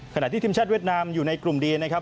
ขณะที่ทีมชาติเวียดนามอยู่ในกลุ่มดีนะครับ